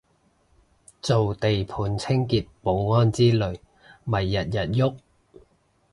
做地盤清潔保安之類咪日日郁